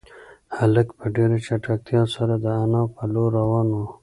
هلک په ډېره چټکتیا سره د انا په لور روان و.